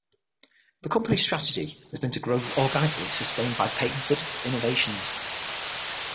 The company's strategy has been to grow organically sustained by patented innovations.